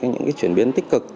chuyển biến tích cực